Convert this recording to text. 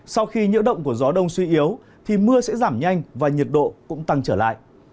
sau khi nhiễu động của gió đông suy yếu thì mưa sẽ giảm nhanh và nhiệt độ cũng tăng trở lại